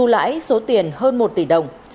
lãi số tiền hơn một tỷ đồng